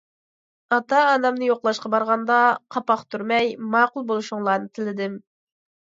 ئاتا- ئانامنى يوقلاشقا بارغاندا قاپاق تۈرمەي ماقۇل بولۇشۇڭلارنى تىلىدىم.